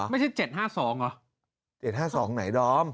ไม่ใช่๗๕๒เหรอ๗๕๒ไหนดอม